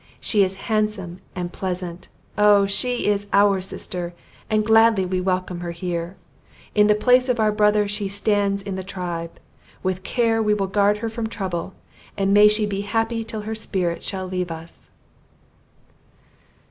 She is handsome and pleasant! Oh! she is our sister, and gladly we welcome her here. In the place of our brother she stands in our tribe. With care we will guard her from trouble; and may she be happy till her spirit shall leave us."